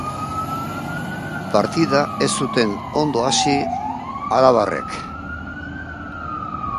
Partida ez zuten ondo hasi arabarrek.